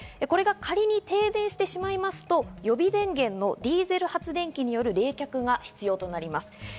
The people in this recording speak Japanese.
これが仮に停電してしまいますと予備電源のディーゼル発電機による冷却が必要となります。